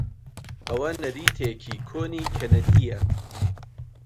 ئەوە نەریتێکی کۆنی کەنەدییە.